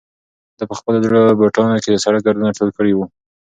ده په خپلو زړو بوټانو کې د سړک ګردونه ټول کړي وو.